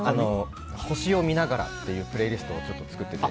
「星を見ながら」っていうプレイリストを作ってて。